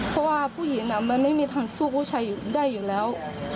เพราะว่าผู้หญิงมันไม่มีทางสู้ผู้ชายได้อยู่แล้ว